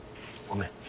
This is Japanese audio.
ごめん。